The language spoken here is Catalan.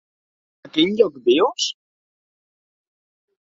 A quin lloc vius?